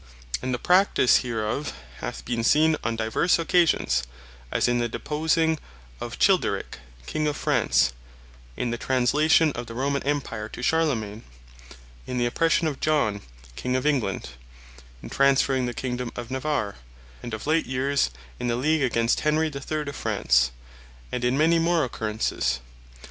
And the practise hereof hath been seen on divers occasions; as in the Deposing of Chilperique, King of France; in the Translation of the Roman Empire to Charlemaine; in the Oppression of John King of England; in Transferring the Kingdome of Navarre; and of late years, in the League against Henry the third of France, and in many more occurrences.